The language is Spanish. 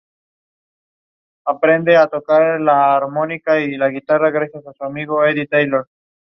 El actual resulta de una reconstrucción posterior.